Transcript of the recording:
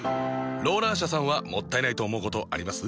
ローラー車さんはもったいないと思うことあります？